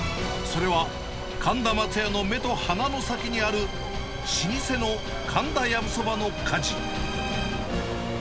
それは神田まつやの目と鼻の先にある、老舗のかんだやぶそばの火事。